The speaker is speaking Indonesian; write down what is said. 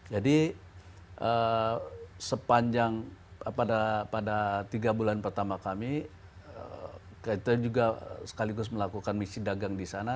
jadi sepanjang pada tiga bulan pertama kami kita juga sekaligus melakukan misi dagang di sana